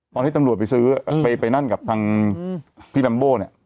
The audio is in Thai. ตอนที่ตำรวจไปซื้ออืมไปไปนั่นกับทางอืมพี่เนี้ย